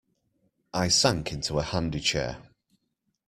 I sank into a handy chair.